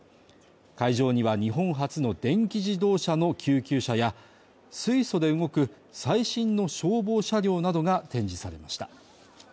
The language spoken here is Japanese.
会場には日本初の電気自動車の救急車や水素で動く最新の消防車両などが展示されました。